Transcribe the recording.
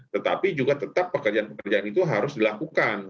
tetapi juga tetap pekerjaan pekerjaan itu harus dilakukan